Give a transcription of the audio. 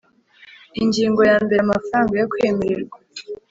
Ingingo yambere Amafaranga yo kwemererwa